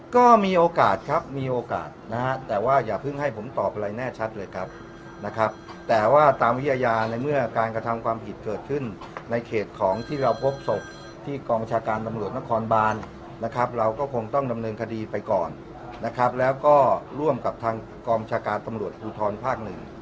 ก็มีโอกาสครับมีโอกาสนะฮะแต่ว่าอย่าเพิ่งให้ผมตอบอะไรแน่ชัดเลยครับนะครับแต่ว่าตามวิทยาในเมื่อการกระทำความผิดเกิดขึ้นในเขตของที่เราพบศพที่กองประชาการตำรวจนครบานนะครับเราก็คงต้องดำเนินคดีไปก่อนนะครับแล้วก็ร่วมกับทางกองชาการตำรวจภูทรภาคหนึ่ง